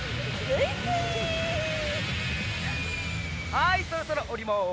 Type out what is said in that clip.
はいそろそろおります。